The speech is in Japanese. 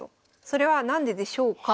それは何ででしょうか。